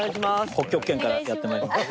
北極圏からやって参りました。